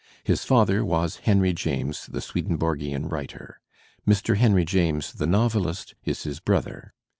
His father was Henry James, the Swedenborgian writer. Mr. Henry James, the novehst, is his brother.